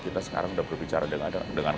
kita sekarang sudah berbicara dengan